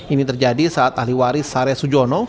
ini terjadi saat ahli waris sare sujono